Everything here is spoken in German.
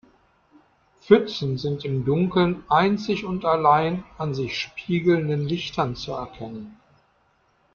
Pfützen sind im Dunkeln einzig und allein an sich spiegelnden Lichtern zu erkennen.